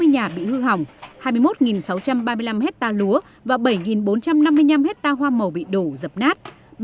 ba mươi bảy sáu trăm ba mươi nhà bị hư hỏng hai mươi một sáu trăm ba mươi năm hectare lúa và bảy bốn trăm năm mươi năm hectare hoa màu bị đổ dập nát